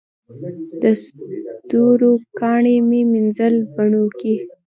د ستورو کاڼي مې مینځل بڼوکي